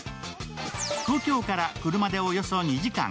東京から車でおよそ２時間。